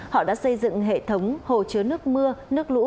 họ đã xây dựng hệ thống hồ chứa nước mưa nước lũ